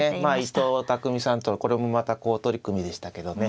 伊藤匠さんとのこれもまた好取組でしたけどね。